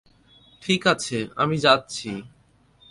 ঠিক আছে, আমি যাচ্ছি।